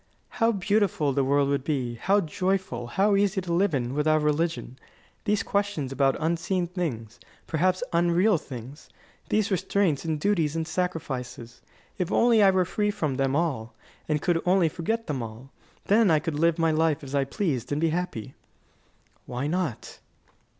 "How beautiful the world would be, how joyful, how easy to live in, without religion! These questions about unseen things, perhaps about unreal things, these restraints and duties and sacrifices if I were only free from them all, and could only forget them all, then I could live my life as I pleased, and be happy." "Why not?"